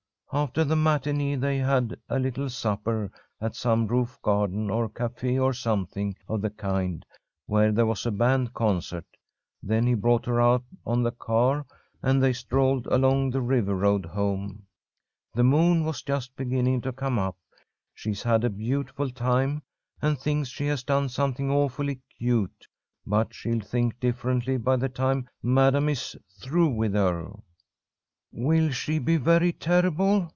After the matinée they had a little supper at some roof garden or café or something of the kind, where there was a band concert. Then he brought her out on the car, and they strolled along the river road home. The moon was just beginning to come up. She's had a beautiful time, and thinks she has done something awfully cute, but she'll think differently by the time Madam is through with her." "Will she be very terrible?"